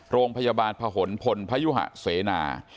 โรงพยาบาลผนพลพยุหะเสนา